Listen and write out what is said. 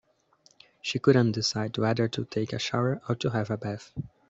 She couldn't decide whether to take a shower or to have a bath.